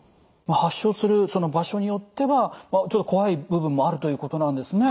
発症する場所によっては怖い部分もあるということなんですね。